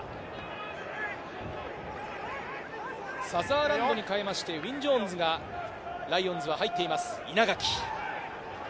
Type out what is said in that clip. サザーランドに代えましてウィン・ジョーンズがライオンズには入っています。